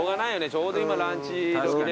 ちょうど今ランチどきで。